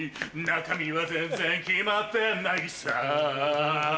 中身は全然決まってないさ